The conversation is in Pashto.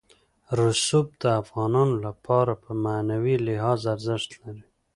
رسوب د افغانانو لپاره په معنوي لحاظ ارزښت لري.